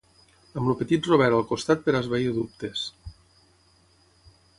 Amb el Petit Robert al costat per esvair dubtes.